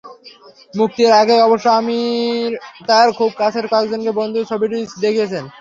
মুক্তির আগেই অবশ্য আমির তাঁর খুব কাছের কয়েকজন বন্ধুকে ছবিটি দেখিয়েছেন।